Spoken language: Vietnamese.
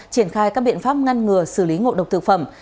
triển khai các biện pháp ngăn ngừa xử lý ngộ độc thực phẩm